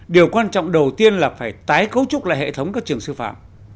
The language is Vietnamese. điều quan trọng đầu tiên là phải tái cấu trúc lại hệ thống các trường sư phạm